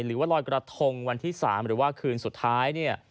หรือว่าลอยกระทงวันที่๓หรือว่าคืนสุดท้ายเนี่ย